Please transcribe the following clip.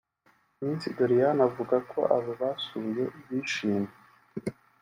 Miss Doriane avuga ko abo basuye bishimye